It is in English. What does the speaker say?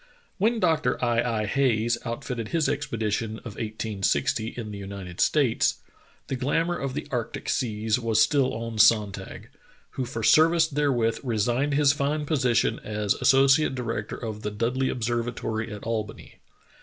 When Dr. L L Hayes outfitted his expedition of i860 in the United States^ the glamour of the arctic seas was still on Sonntag, who for service therewith resigned his fine position as associate director of the Dudley Ob servatory at Albany.